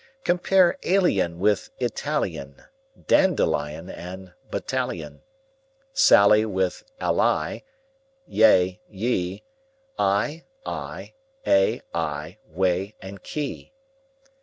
Compare alien with Italian, Dandelion with battalion, Sally with ally; yea, ye, Eye, I, ay, aye, whey, key, quay!